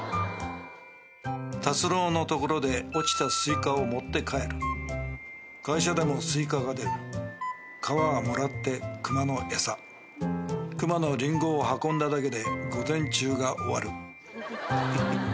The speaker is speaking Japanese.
「達郎の所で落ちたスイカを持って帰る」「会社でもスイカが出る」「皮はもらって熊の餌」「熊のリンゴを運んだだけで午前中が終わる」